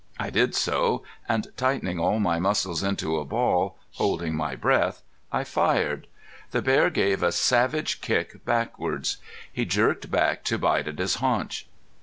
I did so, and tightening all my muscles into a ball, holding my breath, I fired. The bear gave a savage kick backwards. He jerked back to bite at his haunch.